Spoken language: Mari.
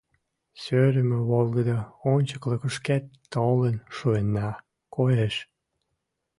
Сӧрымӧ волгыдо ончыклыкышкет толын шуынна, коеш.